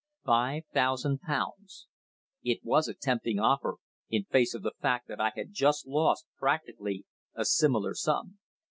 Five thousand pounds! It was a tempting offer in face of the fact that I had just lost practically a similar sum.